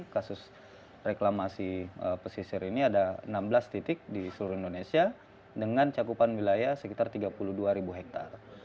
kasus reklamasi pesisir ini ada enam belas titik di seluruh indonesia dengan cakupan wilayah sekitar tiga puluh dua ribu hektare